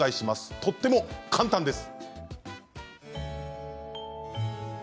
とっても簡単です。